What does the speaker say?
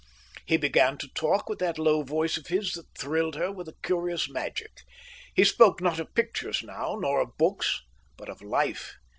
He began to talk with that low voice of his that thrilled her with a curious magic. He spoke not of pictures now, nor of books, but of life.